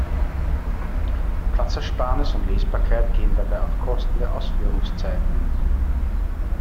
Platzersparnis und Lesbarkeit gehen dabei auf Kosten der Ausführungszeit.